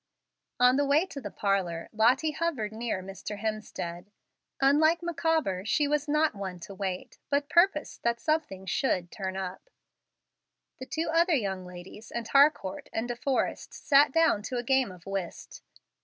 On the way to the parlor Lottie hovered near Mr. Hemstead. Unlike Micawber, she was not one to wait, but purposed that something SHOULD "turn up." The two other young ladies, and Harcourt and De Forrest, sat down to a game of whist.